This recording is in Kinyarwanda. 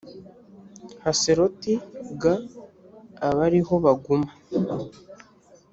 haseroti g aba ari ho baguma